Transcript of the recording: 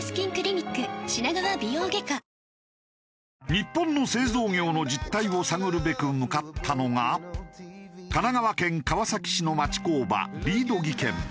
日本の製造業の実態を探るべく向かったのが神奈川県川崎市の町工場リード技研。